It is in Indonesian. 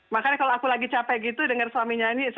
makanya kalau aku lagi capek gitu denger suami nyanyi